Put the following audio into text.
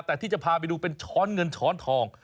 แต่ที่จะพาไปดูเป็นช้อนเงินช้อนทอง